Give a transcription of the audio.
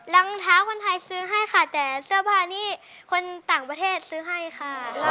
รองเท้าคนไทยซื้อให้ค่ะแต่เสื้อผ้านี้คนต่างประเทศซื้อให้ค่ะ